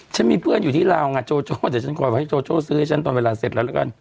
ฉันมีเพื่อนอยู่ที่ลาวไงโจโจ้เดี๋ยวฉันขอให้โจโจ้ซื้อให้ฉันตอนเวลาเสร็จแล้วแล้วกัน